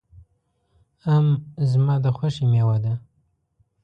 آم زما د خوښې مېوه ده.